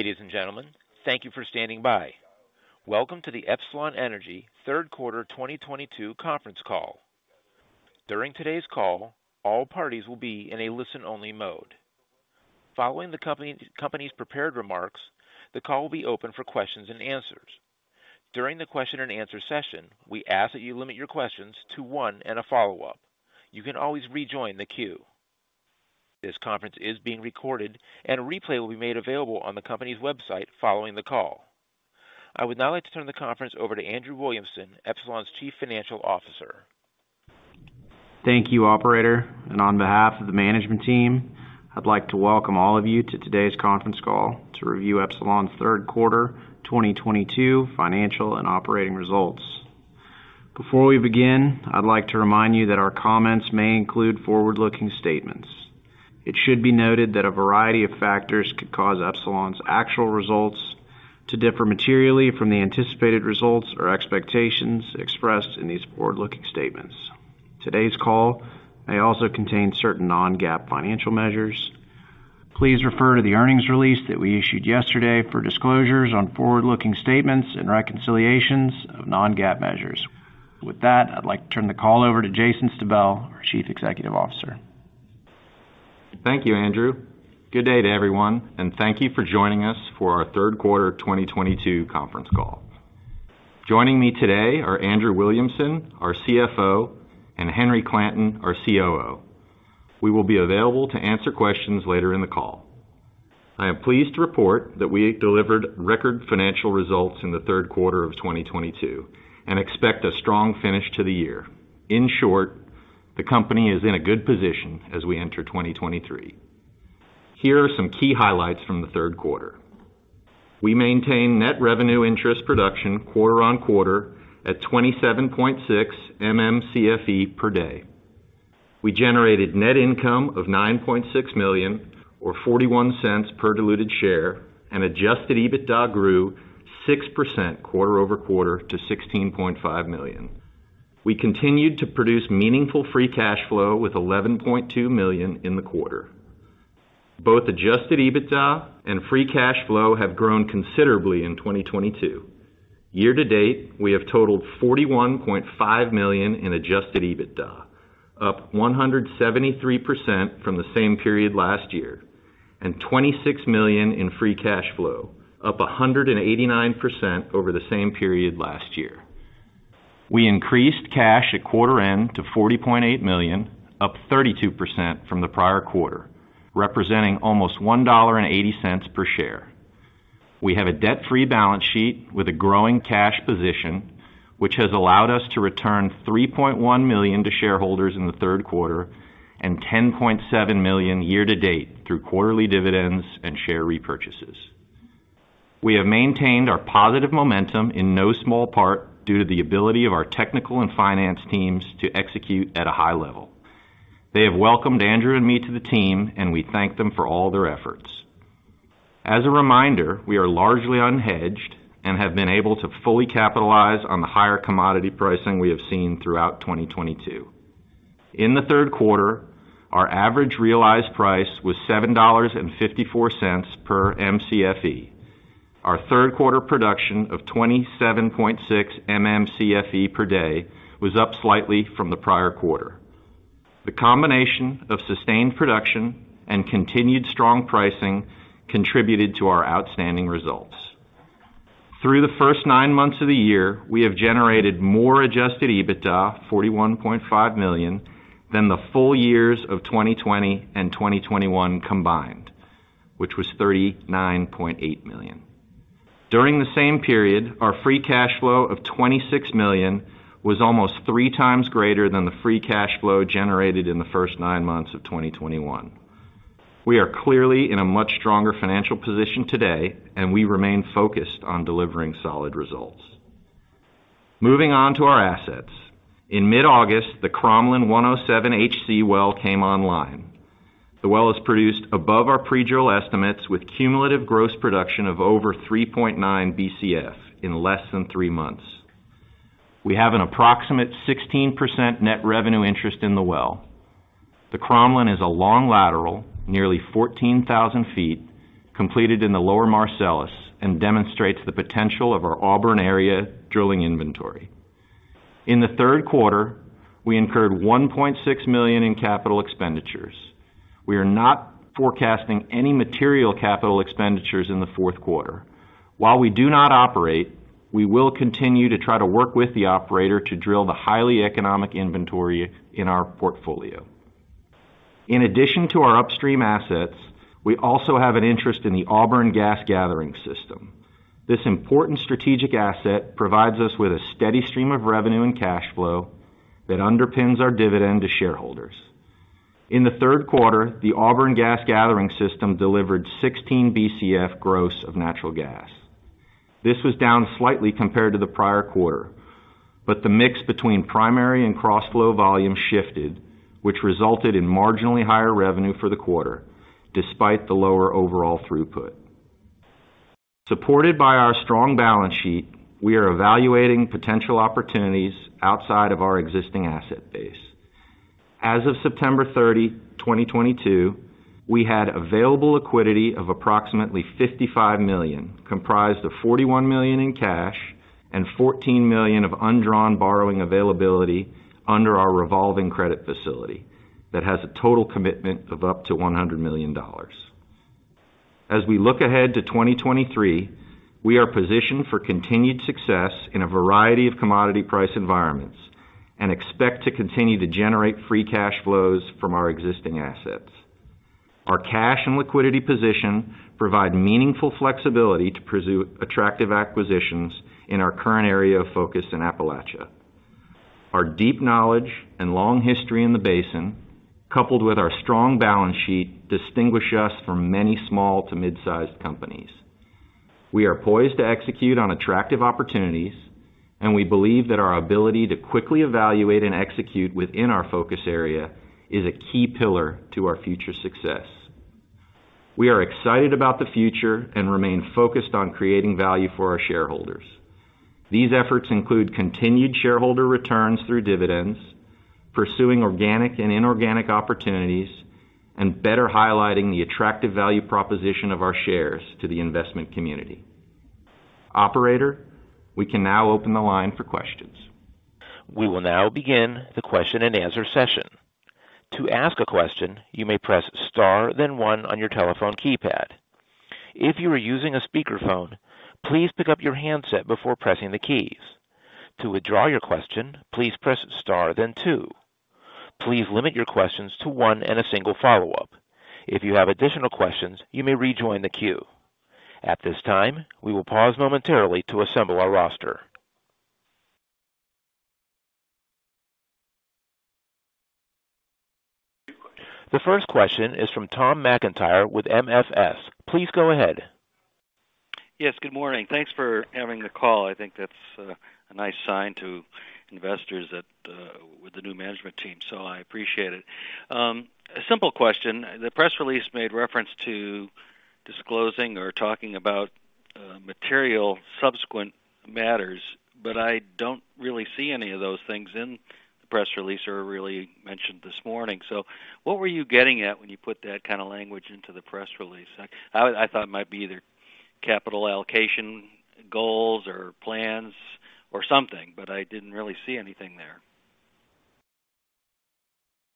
Ladies and gentlemen, thank you for standing by. Welcome to the Epsilon Energy third quarter 2022 conference call. During today's call, all parties will be in a listen-only mode. Following the company's prepared remarks, the call will be open for questions and answers. During the question and answer session, we ask that you limit your questions to one and a follow-up. You can always rejoin the queue. This conference is being recorded and a replay will be made available on the company's website following the call. I would now like to turn the conference over to Andrew Williamson, Epsilon's Chief Financial Officer. Thank you, operator. On behalf of the management team, I'd like to welcome all of you to today's conference call to review Epsilon's third quarter 2022 financial and operating results. Before we begin, I'd like to remind you that our comments may include forward-looking statements. It should be noted that a variety of factors could cause Epsilon's actual results to differ materially from the anticipated results or expectations expressed in these forward-looking statements. Today's call may also contain certain non-GAAP financial measures. Please refer to the earnings release that we issued yesterday for disclosures on forward-looking statements and reconciliations of non-GAAP measures. With that, I'd like to turn the call over to Jason Stabell, our Chief Executive Officer. Thank you, Andrew. Good day to everyone, and thank you for joining us for our third quarter 2022 conference call. Joining me today are Andrew Williamson, our CFO, and Henry Clanton, our COO. We will be available to answer questions later in the call. I am pleased to report that we delivered record financial results in the third quarter of 2022 and expect a strong finish to the year. In short, the company is in a good position as we enter 2023. Here are some key highlights from the third quarter. We maintain net revenue interest production quarter-over-quarter at 27.6 MMcf per day. We generated net income of $9.6 million or $0.41 per diluted share, and adjusted EBITDA grew 6% quarter-over-quarter to $16.5 million. We continued to produce meaningful free cash flow with $11.2 million in the quarter. Both adjusted EBITDA and free cash flow have grown considerably in 2022. Year-to-date, we have totaled $41.5 million in adjusted EBITDA, up 173% from the same period last year, and $26 million in free cash flow, up 189% over the same period last year. We increased cash at quarter end to $40.8 million, up 32% from the prior quarter, representing almost $1.80 per share. We have a debt-free balance sheet with a growing cash position, which has allowed us to return $3.1 million to shareholders in the third quarter and $10.7 million year to date through quarterly dividends and share repurchases. We have maintained our positive momentum in no small part due to the ability of our technical and finance teams to execute at a high level. They have welcomed Andrew and me to the team, and we thank them for all their efforts. As a reminder, we are largely unhedged and have been able to fully capitalize on the higher commodity pricing we have seen throughout 2022. In the third quarter, our average realized price was $7.54 per Mcfe. Our third quarter production of 27.6 MMcf per day was up slightly from the prior quarter. The combination of sustained production and continued strong pricing contributed to our outstanding results. Through the first nine months of the year, we have generated more adjusted EBITDA, $41.5 million, than the full years of 2020 and 2021 combined, which was $39.8 million. During the same period, our free cash flow of $26 million was almost 3x greater than the free cash flow generated in the first nine months of 2021. We are clearly in a much stronger financial position today, and we remain focused on delivering solid results. Moving on to our assets. In mid-August, the Koromlan 107HC well came online. The well has produced above our pre-drill estimates with cumulative gross production of over 3.9 Bcf in less than three months. We have an approximate 16% net revenue interest in the well. The Koromlan is a long lateral, nearly 14,000 feet, completed in the Lower Marcellus and demonstrates the potential of our Auburn area drilling inventory. In the third quarter, we incurred $1.6 million in capital expenditures. We are not forecasting any material capital expenditures in the fourth quarter. While we do not operate, we will continue to try to work with the operator to drill the highly economic inventory in our portfolio. In addition to our upstream assets, we also have an interest in the Auburn Gas Gathering system. This important strategic asset provides us with a steady stream of revenue and cash flow that underpins our dividend to shareholders. In the third quarter, the Auburn Gas Gathering system delivered 16 Bcf gross of natural gas. This was down slightly compared to the prior quarter, but the mix between primary and cross flow volume shifted, which resulted in marginally higher revenue for the quarter despite the lower overall throughput. Supported by our strong balance sheet, we are evaluating potential opportunities outside of our existing asset base. As of September 30, 2022, we had available liquidity of approximately $55 million, comprised of $41 million in cash and $14 million of undrawn borrowing availability under our revolving credit facility that has a total commitment of up to $100 million. As we look ahead to 2023, we are positioned for continued success in a variety of commodity price environments and expect to continue to generate free cash flows from our existing assets. Our cash and liquidity position provide meaningful flexibility to pursue attractive acquisitions in our current area of focus in Appalachia. Our deep knowledge and long history in the basin, coupled with our strong balance sheet, distinguish us from many small to mid-sized companies. We are poised to execute on attractive opportunities, and we believe that our ability to quickly evaluate and execute within our focus area is a key pillar to our future success. We are excited about the future and remain focused on creating value for our shareholders. These efforts include continued shareholder returns through dividends, pursuing organic and inorganic opportunities, and better highlighting the attractive value proposition of our shares to the investment community. Operator, we can now open the line for questions. We will now begin the question-and-answer session. To ask a question, you may press star then one on your telephone keypad. If you are using a speakerphone, please pick up your handset before pressing the keys. To withdraw your question, please press star then two. Please limit your questions to one and a single follow-up. If you have additional questions, you may rejoin the queue. At this time, we will pause momentarily to assemble our roster. The first question is from Tom McIntyre with MFF. Please go ahead. Yes, good morning. Thanks for having the call. I think that's a nice sign to investors that with the new management team, so I appreciate it. A simple question. The press release made reference to disclosing or talking about material subsequent matters, but I don't really see any of those things in the press release or really mentioned this morning. What were you getting at when you put that kind of language into the press release? I thought it might be either capital allocation goals or plans or something, but I didn't really see anything there.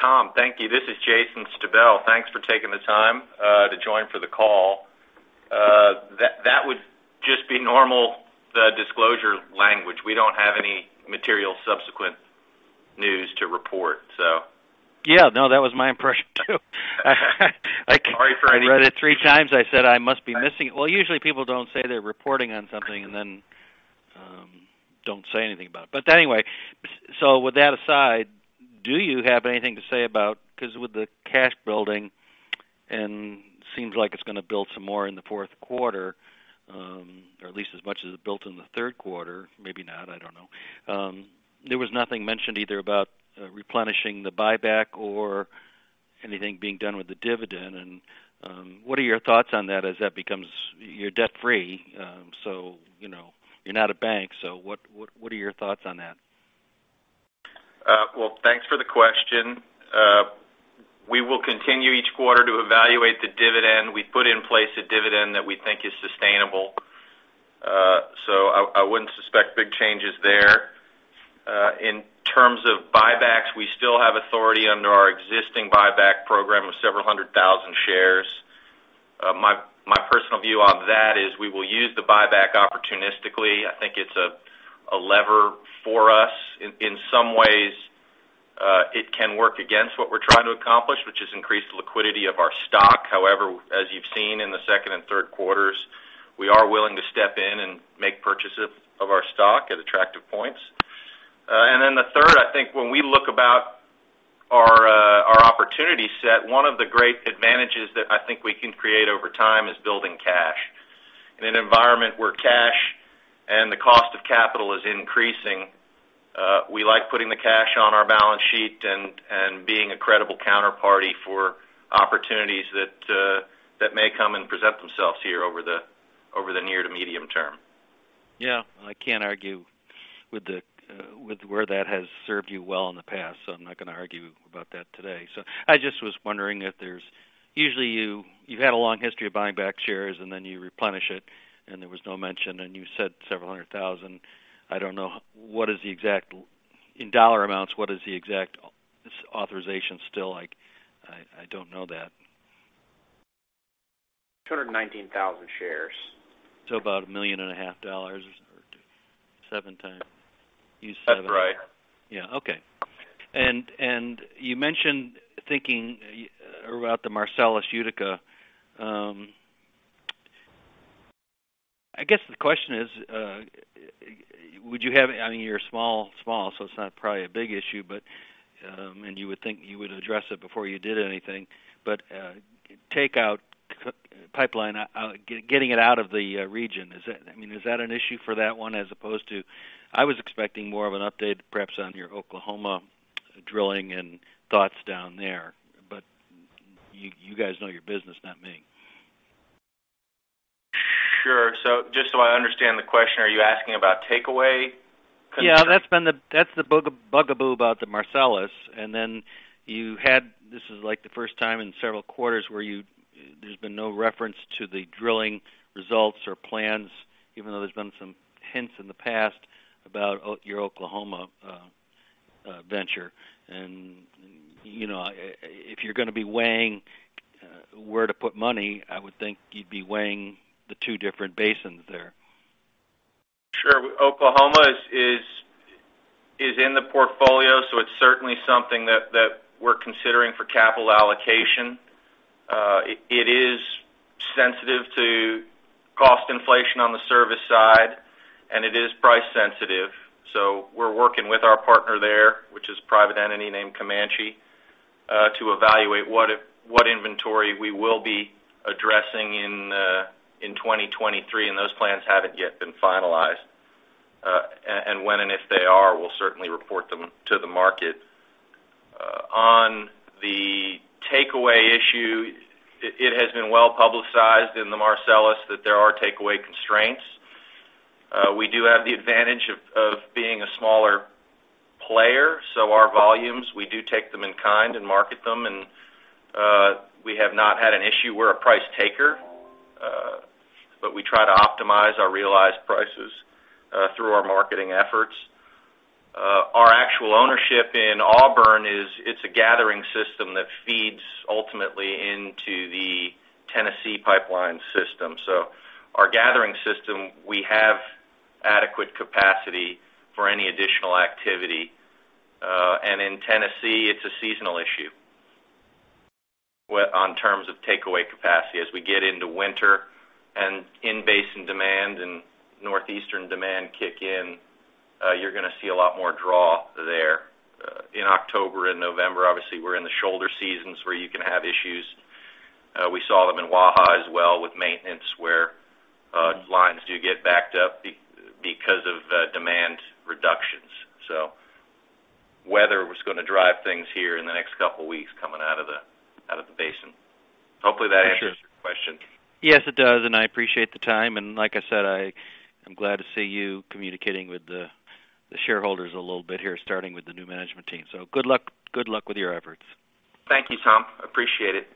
Tom, thank you. This is Jason Stabell. Thanks for taking the time to join for the call. That would just be normal, the disclosure language. We don't have any material subsequent news to report, so. Yeah. No, that was my impression, too. Sorry for any- I read it three times. I said I must be missing. Well, usually people don't say they're reporting on something and then don't say anything about it. Anyway, so with that aside, do you have anything to say about 'cause with the cash building and seems like it's gonna build some more in the fourth quarter, or at least as much as it built in the third quarter. Maybe not, I don't know. There was nothing mentioned either about replenishing the buyback or anything being done with the dividend. What are your thoughts on that as that becomes. You're debt-free, so you know, you're not a bank. What are your thoughts on that? Well, thanks for the question. We will continue each quarter to evaluate the dividend. We've put in place a dividend that we think is sustainable. So I wouldn't suspect big changes there. In terms of buybacks, we still have authority under our existing buyback program of several hundred thousand shares. My personal view on that is we will use the buyback opportunistically. I think it's a lever for us. In some ways, it can work against what we're trying to accomplish, which is increase the liquidity of our stock. However, as you've seen in the second and third quarters, we are willing to step in and make purchases of our stock at attractive points. The third, I think when we look at our opportunity set, one of the great advantages that I think we can create over time is building cash. In an environment where cash and the cost of capital is increasing, we like putting the cash on our balance sheet and being a credible counterparty for opportunities that may come and present themselves here over the near to medium term. Yeah. I can't argue with where that has served you well in the past, so I'm not gonna argue about that today. I just was wondering if there's usually you've had a long history of buying back shares, and then you replenish it, and there was no mention, and you said several hundred thousand. I don't know, what is the exact in dollar amounts, what is the exact authorization still like? I don't know that. 219,000 shares. About $1.5 million or 7x. That's right. Yeah. Okay. You mentioned thinking about the Marcellus and Utica. I guess the question is, would you have? I mean, you're small, so it's probably not a big issue, but you would think you would address it before you did anything. Takeaway capacity, pipeline getting it out of the region. Is that an issue for that one as opposed to I was expecting more of an update perhaps on your Oklahoma drilling and thoughts down there, but you guys know your business, not me. Sure. Just so I understand the question, are you asking about takeaway? Yeah, that's been the bugaboo about the Marcellus. This is like the first time in several quarters there's been no reference to the drilling results or plans, even though there's been some hints in the past about your Oklahoma venture. You know, if you're gonna be weighing where to put money, I would think you'd be weighing the two different basins there. Sure. Oklahoma is in the portfolio, so it's certainly something that we're considering for capital allocation. It is sensitive to cost inflation on the service side, and it is price sensitive. We're working with our partner there, which is a private entity named Comanche, to evaluate what inventory we will be addressing in 2023. Those plans haven't yet been finalized. When and if they are, we'll certainly report them to the market. On the takeaway issue, it has been well publicized in the Marcellus that there are takeaway constraints. We do have the advantage of being a smaller player, so our volumes, we do take them in kind and market them, and we have not had an issue. We're a price taker, but we try to optimize our realized prices through our marketing efforts. Our actual ownership in Auburn is. It's a gathering system that feeds ultimately into the Tennessee Gas Pipeline. Our gathering system, we have adequate capacity for any additional activity. In the Tennessee Gas Pipeline, it's a seasonal issue in terms of takeaway capacity. As we get into winter and in basin demand and Northeastern demand kick in, you're gonna see a lot more draw there. In October and November, obviously, we're in the shoulder seasons where you can have issues. We saw them in Waha as well with maintenance where, lines do get backed up because of, demand reductions. Weather was gonna drive things here in the next couple weeks coming out of the basin. Hopefully, that answers your question. Yes, it does, and I appreciate the time. Like I said, I'm glad to see you communicating with the shareholders a little bit here, starting with the new management team. Good luck. Good luck with your efforts. Thank you, Tom. Appreciate it.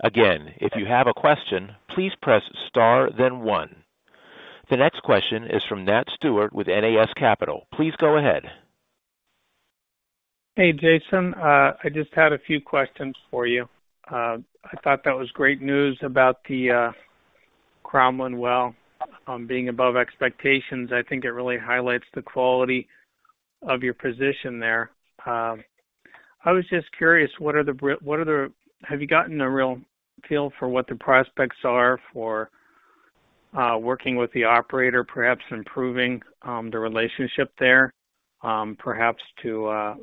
Again, if you have a question, please press Star then one. The next question is from Nat Stewart with N.A.S. Capital. Please go ahead. Hey, Jason. I just had a few questions for you. I thought that was great news about the Koromlan Well being above expectations. I think it really highlights the quality of your position there. I was just curious. Have you gotten a real feel for what the prospects are for working with the operator, perhaps improving the relationship there, perhaps to,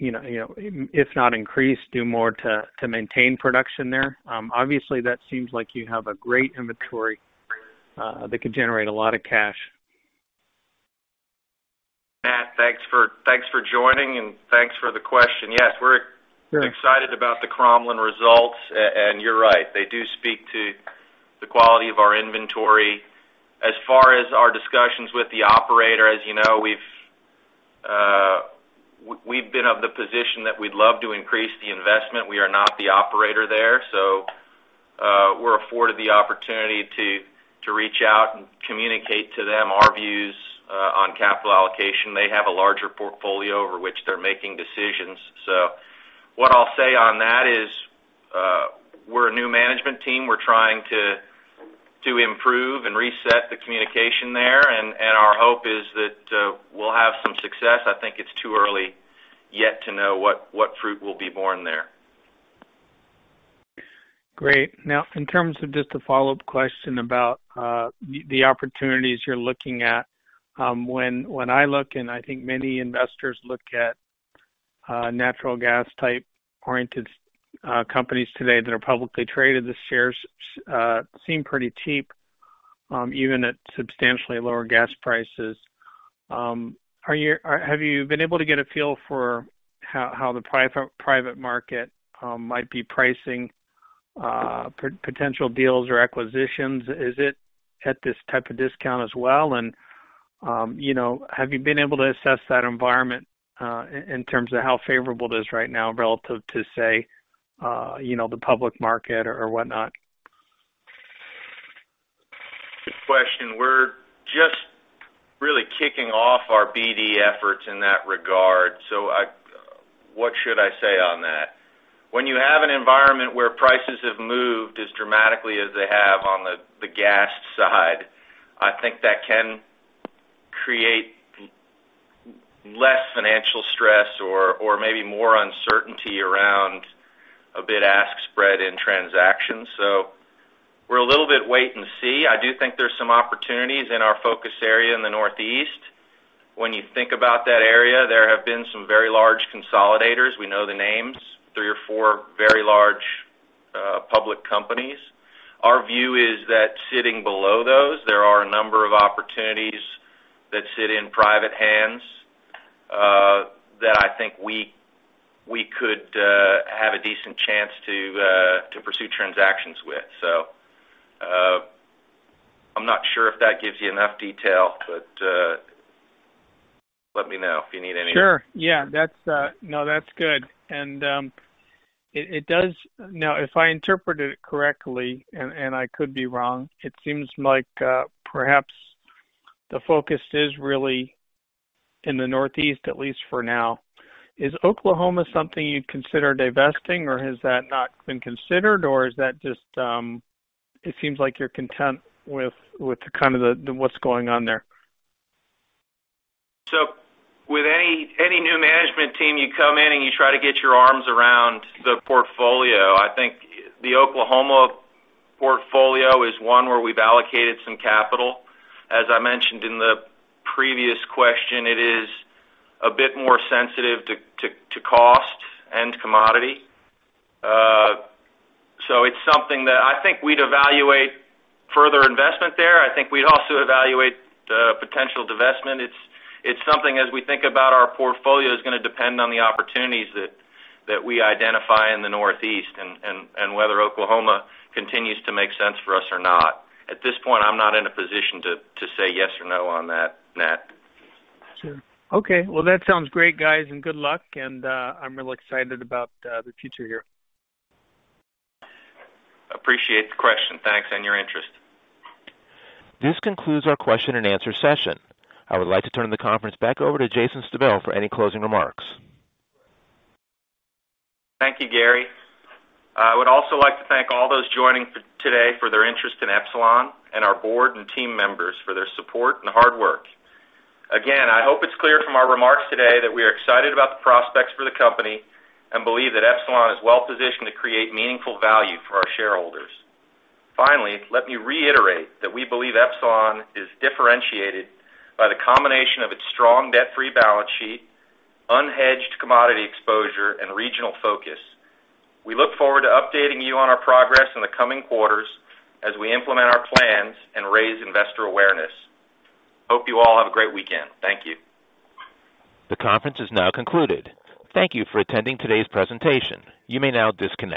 you know, if not increased, do more to maintain production there? Obviously, that seems like you have a great inventory that could generate a lot of cash. Nat, thanks for joining, and thanks for the question. Yes, we're excited about the Koromlan results. You're right, they do speak to the quality of our inventory. As far as our discussions with the operator, as you know, we've been of the position that we'd love to increase the investment. We are not the operator there, so we're afforded the opportunity to reach out and communicate to them our views on capital allocation. They have a larger portfolio over which they're making decisions. What I'll say on that is, we're a new management team. We're trying to improve and reset the communication there. Our hope is that we'll have some success. I think it's too early yet to know what fruit will be born there. Great. Now, in terms of just a follow-up question about the opportunities you're looking at, when I look, and I think many investors look at natural gas type-oriented companies today that are publicly traded, the shares seem pretty cheap, even at substantially lower gas prices. Have you been able to get a feel for how the private market might be pricing potential deals or acquisitions? Is it at this type of discount as well? You know, have you been able to assess that environment in terms of how favorable it is right now relative to, say, you know, the public market or whatnot? Good question. We're just really kicking off our BD efforts in that regard. What should I say on that? When you have an environment where prices have moved as dramatically as they have on the gas side, I think that can create less financial stress or maybe more uncertainty around a bid-ask spread in transactions. We're a little bit wait-and-see. I do think there's some opportunities in our focus area in the Northeast. When you think about that area, there have been some very large consolidators. We know the names, three or four very large public companies. Our view is that sitting below those, there are a number of opportunities that sit in private hands. Decent chance to pursue transactions with. I'm not sure if that gives you enough detail, but let me know if you need any. Sure. Yeah. That's good. It does. Now, if I interpreted it correctly, and I could be wrong, it seems like perhaps the focus is really in the Northeast, at least for now. Is Oklahoma something you'd consider divesting, or has that not been considered, or is that just it seems like you're content with the kind of the what's going on there. With any new management team, you come in and you try to get your arms around the portfolio. I think the Oklahoma portfolio is one where we've allocated some capital. As I mentioned in the previous question, it is a bit more sensitive to cost and commodity. It's something that I think we'd evaluate further investment there. I think we'd also evaluate potential divestment. It's something, as we think about our portfolio, is gonna depend on the opportunities that we identify in the Northeast and whether Oklahoma continues to make sense for us or not. At this point, I'm not in a position to say yes or no on that, Nat. Sure. Okay. Well, that sounds great, guys, and good luck and, I'm real excited about, the future here. Appreciate the question. Thanks, and your interest. This concludes our question and answer session. I would like to turn the conference back over to Jason Stabell for any closing remarks. Thank you, Gary. I would also like to thank all those joining today for their interest in Epsilon and our board and team members for their support and hard work. Again, I hope it's clear from our remarks today that we are excited about the prospects for the company and believe that Epsilon is well positioned to create meaningful value for our shareholders. Finally, let me reiterate that we believe Epsilon is differentiated by the combination of its strong debt-free balance sheet, unhedged commodity exposure, and regional focus. We look forward to updating you on our progress in the coming quarters as we implement our plans and raise investor awareness. Hope you all have a great weekend. Thank you. The conference is now concluded. Thank you for attending today's presentation. You may now disconnect.